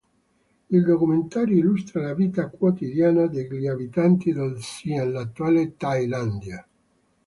Il documentario illustra la vita quotidiana degli abitanti del Siam, l'attuale Thailandia.